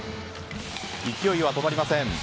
勢いは止まりません。